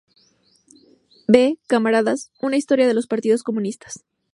B "Camaradas" una historia de los partidos comunistas.